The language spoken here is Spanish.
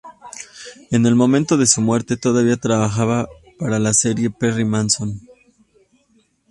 En el momento de su muerte todavía trabajaba para la serie "Perry Mason".